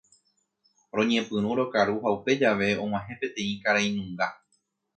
Roñepyrũ rokaru ha upe jave og̃uahẽ peteĩ karainunga.